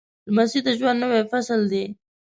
لمسی د ژوند نوی فصل دی.